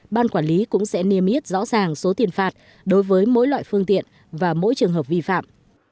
ban quản lý cũng sẽ niêm yết rõ ràng số tiền phạt đối với mỗi loại phương tiện và mỗi trường hợp vi phạm